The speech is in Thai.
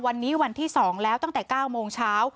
วันนี้วันที่๒แล้วตั้งแต่๙โมงเช้า